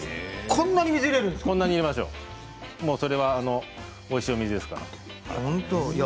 こんなに入れましょうそれはおいしいお水ですから。